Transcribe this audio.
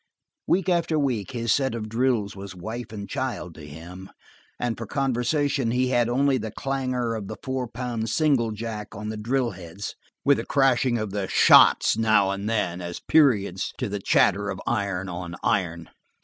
Week after week his set of drills was wife and child to him, and for conversation he had only the clangor of the four pound single jack on the drill heads, with the crashing of the "shots" now and then as periods to the chatter of iron on iron.